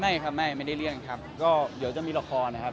ไม่ครับไม่ไม่ได้เลี่ยงครับก็เดี๋ยวจะมีละครนะครับ